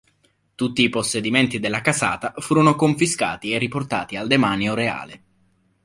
Tutti i possedimenti della casata furono confiscati e riportati al demanio reale.